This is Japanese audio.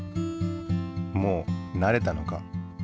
もう慣れたのか？